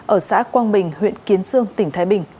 ở xã quang bình huyện kiến sương tỉnh thái bình